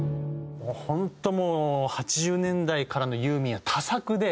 本当もう８０年代からのユーミンは多作で。